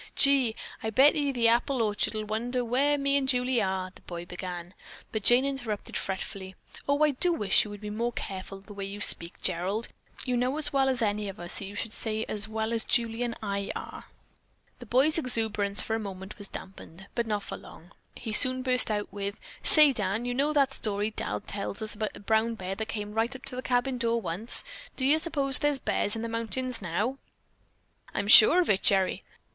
"Gee, I bet ye the apple orchard'll wonder where me and Julie are," the boy began, but Jane interrupted fretfully. "Oh, I do wish you would be more careful of the way you speak, Gerald. You know as well as any of us that you should say where Julie and I are." The boy's exuberance for a moment was dampened, but not for long. He soon burst out with, "Say, Dan, you know that story Dad tells about a brown bear that came right up to the cabin door once. Do you suppose there's bears in those mountains now?" "I'm sure of it, Gerry.